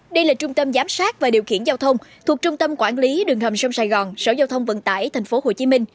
đây là trung tâm giám sát và điều khiển giao thông thuộc trung tâm quản lý đường hầm sông sài gòn sở giao thông vận tải tp hcm